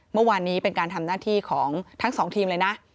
เมื่อวานนี้เป็นการทำหน้าที่ของทั้งสองทีมเลยนะ